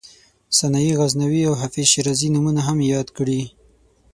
سنایي غزنوي او حافظ شیرازي نومونه هم یاد کړي.